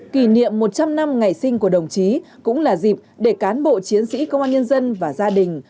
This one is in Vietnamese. kỷ niệm một trăm linh năm ngày sinh của đồng chí cũng là dịp để cán bộ chiến sĩ công an nhân dân và gia đình